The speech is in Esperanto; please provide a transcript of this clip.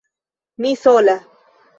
Mi sola!